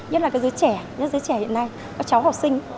nhất là dưới trẻ nhất dưới trẻ hiện nay có cháu học sinh